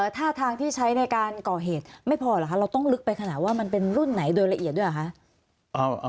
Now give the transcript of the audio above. ท่าทางที่ใช้ในการก่อเหตุไม่พอเหรอคะเราต้องลึกไปขนาดว่ามันเป็นรุ่นไหนโดยละเอียดด้วยเหรอคะ